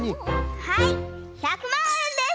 はい１００まんえんです！